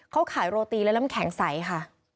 เขาขายโรตีแล้วแล้วมันแข็งใสค่ะ